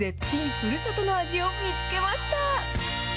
ふるさとの味を見つけました。